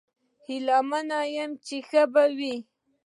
هیله مند یم چې ښه به یې